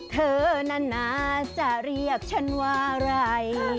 เธอนานาจะเรียกฉันว่าไร